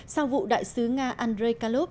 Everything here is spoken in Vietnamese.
sau vụ đại sứ nga andrei kalov